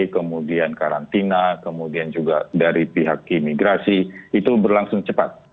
kemudian karantina kemudian juga dari pihak imigrasi itu berlangsung cepat